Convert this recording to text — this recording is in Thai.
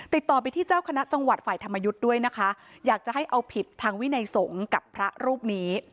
ติดต่อไปที่เจ้าคณะจังหวัดฝ่ายธรรมยุทธ์ด้วยนะคะอยากจะให้เอาผิดทางวินัยสงฆ์กับพระรูปนี้